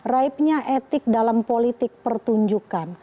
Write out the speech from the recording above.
raibnya etik dalam politik pertunjukan